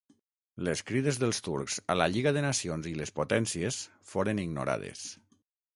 Les crides dels turcs a la Lliga de Nacions i les potències foren ignorades.